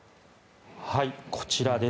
こちらです。